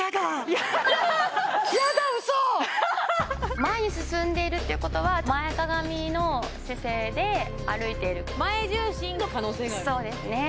やだウソ前に進んでいるっていうことは前かがみの姿勢で歩いている前重心の可能性があるそうですね